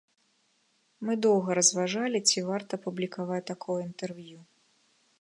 Мы доўга разважалі, ці варта публікаваць такое інтэрв'ю.